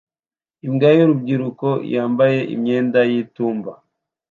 Imbaga y'urubyiruko rwambaye imyenda y'itumba